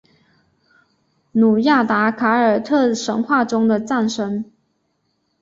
努亚达凯尔特神话中的战神。